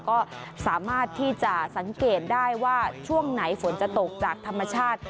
ก็สามารถที่จะสังเกตได้ว่าช่วงไหนฝนจะตกจากธรรมชาติ